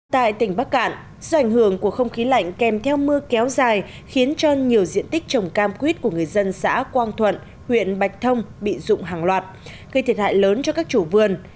tại tỉnh bắc cạn do ảnh hưởng của không khí lạnh kèm theo mưa kéo dài khiến cho nhiều diện tích trồng cam quýt của người dân xã quang thuận huyện bạch thông bị rụng hàng loạt gây thiệt hại lớn cho các chủ vườn